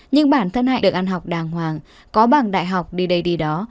nhưng bản thân hạnh được ăn học đàng hoàng có bảng đại học đi đây đi đó